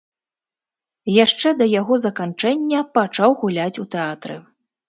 Яшчэ да яго заканчэння пачаў гуляць у тэатры.